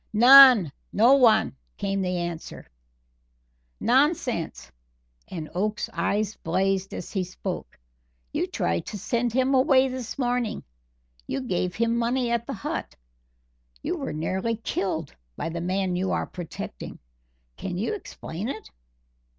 "None no one," came the answer. "Nonsense!" and Oakes's eyes blazed as he spoke; "you tried to send him away this morning. You gave him money at the hut. You were nearly killed by the man you are protecting. Can you explain it?"